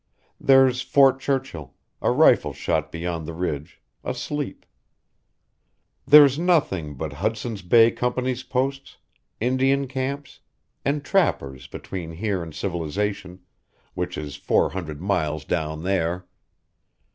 There's Fort Churchill a rifle shot beyond the ridge, asleep. There's nothing but Hudson's Bay Company's posts, Indian camps, and trappers between here and civilization, which is four hundred miles down there.